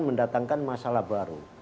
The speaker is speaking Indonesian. mendatangkan masalah baru